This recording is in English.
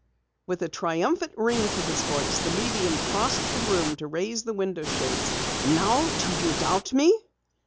With a triumphant ring to his voice, the medium crossed the room to raise the window shades. "Now do you doubt me?"